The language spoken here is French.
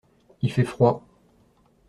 Il fait froid.